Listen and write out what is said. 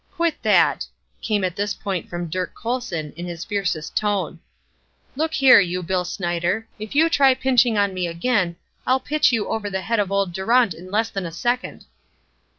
"Quit that!" came at this point from Dirk Colson, in his fiercest tone. "Look here, you Bill Snyder, if you try pinching on me again I'll pitch you over the head of old Durant in less than a second!"